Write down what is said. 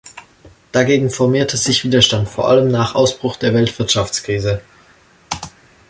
Dagegen formierte sich Widerstand, vor allem nach Ausbruch der Weltwirtschaftskrise.